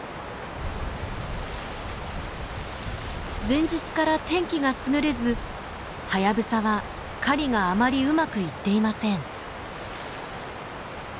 前日から天気が優れずハヤブサは狩りがあまりうまくいっていません。